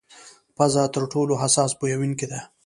پزه تر ټولو حساس بویونکې ده.